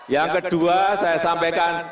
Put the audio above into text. yang kedua saya sampaikan